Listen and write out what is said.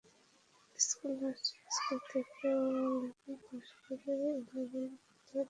Scholastica school থেকে O level pass করে এ-লেভেলে ভর্তি হওয়ার প্রস্তুতি নিচ্ছে।